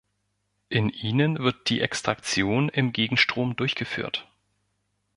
In ihnen wird die Extraktion im Gegenstrom durchgeführt.